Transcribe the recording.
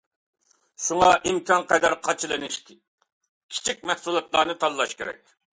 شۇڭا ئىمكانقەدەر قاچىلىنىشى كىچىك مەھسۇلاتلارنى تاللاش كېرەك.